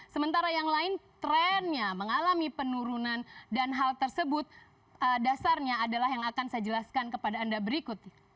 sementara yang lain trennya mengalami penurunan dan hal tersebut dasarnya adalah yang akan saya jelaskan kepada anda berikut